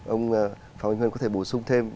ông phạm anh huynh có thể bổ sung thêm